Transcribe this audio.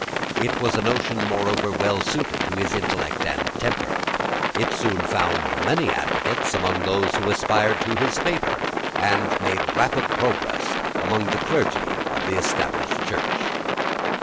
It was a notion, moreover, well suited to his intellect and temper. It soon found many advocates among those who aspired to his favour, and made rapid progress among the clergy of the Established Church.